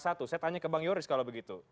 saya tanya ke bang yoris kalau begitu